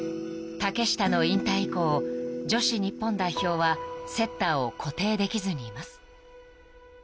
［竹下の引退以降女子日本代表はセッターを固定できずにいます］